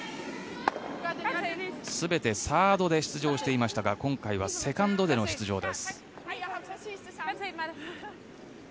全てサードで出場していましたが今回はセカンドでの出場です。